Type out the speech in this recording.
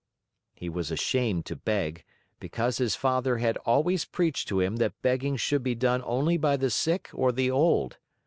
He was ashamed to beg, because his father had always preached to him that begging should be done only by the sick or the old.